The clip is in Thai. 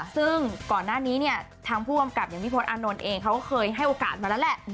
ซึ่งก่อนหน้านี้เนี่ยทางผู้กำกับอย่างพี่พศอานนท์เองเขาก็เคยให้โอกาสมาแล้วแหละ